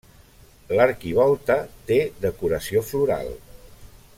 L'arquivolta té decoració floral.